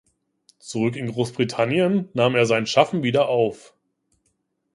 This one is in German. Zurück in Großbritannien nahm er sein Schaffen wieder auf.